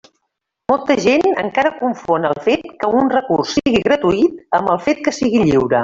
Molta gent encara confon el fet que un recurs sigui gratuït amb el fet que sigui lliure.